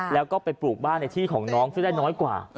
แล้วก็ไปปลูกบ้านในที่ของน้องซึ่งได้น้อยกว่า